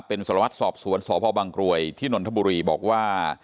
เป็นสารวัตรสอบสวนสพบังกรวยที่นนทบุรีบอกว่า